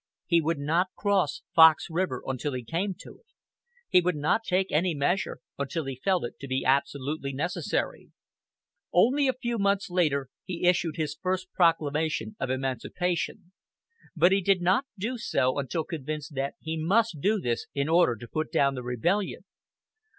He would not cross Fox River until he came to it. He would not take any measure until he felt it to be absolutely necessary. Only a few months later he issued his first proclamation of emancipation; but he did not do so until convinced that he must do this in order to put down the rebellion.